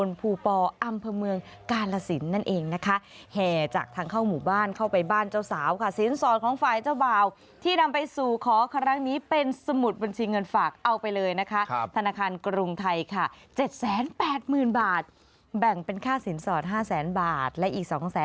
เดินทางไปสู่เขาเจ้าสาวคือนางสาวยุบดี